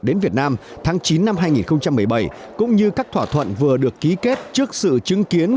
đến việt nam tháng chín năm hai nghìn một mươi bảy cũng như các thỏa thuận vừa được ký kết trước sự chứng kiến